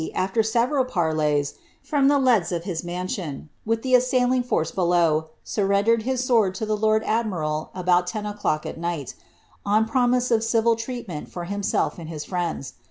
a^er eeveml {nv leys, from the leads of his mansion, with the Bssailing force below, •u^ rendered hia awoid to the tord admiral about ten o'clock at uigbt, oe promise of civil irealiDeni for himself and his friends.'